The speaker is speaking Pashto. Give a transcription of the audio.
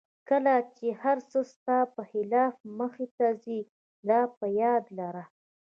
کله چې هر څه ستا په خلاف مخته ځي دا په یاد لره.